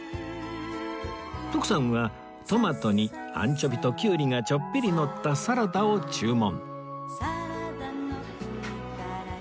徳さんはトマトにアンチョビとキュウリがちょっぴりのったサラダを注文